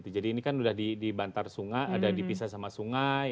jadi ini kan sudah dibantar sungai ada dipisah sama sungai